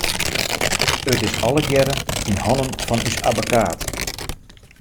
It is allegearrre yn hannen fan ús abbekaat.